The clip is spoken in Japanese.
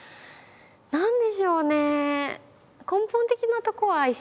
何でしょうね？